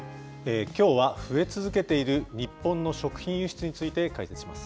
きょうは増え続けている日本の食品輸出について解説します。